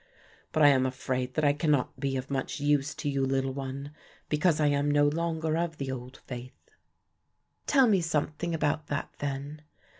But I am afraid that I cannot be of much use to you, little one, because I am no longer of the old faith." "Tell me something about that then.